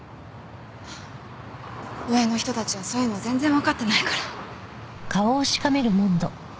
上の人たちはそういうの全然わかってないから。